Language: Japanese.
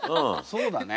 そうだね。